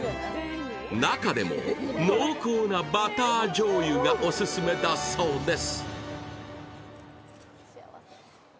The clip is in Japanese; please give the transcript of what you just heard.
中でも濃厚なバターじょうゆがオススメだそうです。